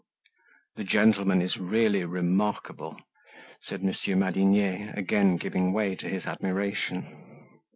"The gentleman is really remarkable," said Monsieur Madinier, again giving way to his admiration.